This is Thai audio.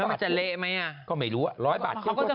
แล้วมันจะเละไหมอ่ะก็ไม่รู้อ่ะ๑๐๐บาทเที่ยวทั่วไทย